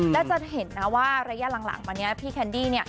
แล้วจะเห็นนะว่าระยะหลังมาเนี่ยพี่แคนดี้เนี่ย